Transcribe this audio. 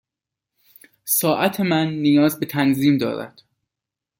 ساعت من نیاز به تنظیم دارد.